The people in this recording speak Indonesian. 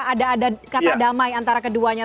ada ada kata damai antara keduanya